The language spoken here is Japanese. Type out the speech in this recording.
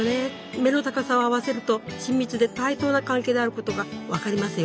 目の高さを合わせると親密で対等な関係であることが分かりますよ。